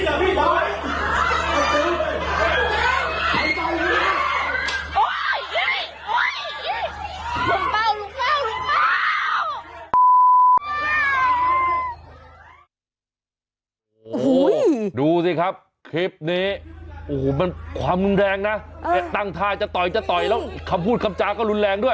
ขอบคุณกันคนงานเลยนะความรุนแรงนะตั้งทราบจะต่อยจะต่อยแล้วคำพูดคำจาก็รุนแรงด้วย